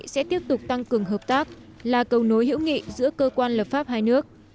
sẽ tiếp tục tăng cường hợp tác là cầu nối hữu nghị giữa cơ quan lập pháp hai nước